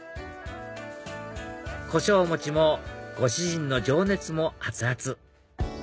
胡椒餅もご主人の情熱も熱々！